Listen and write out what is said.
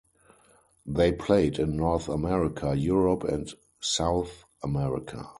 They played in North America, Europe, and South America.